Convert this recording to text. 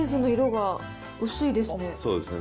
そうですね。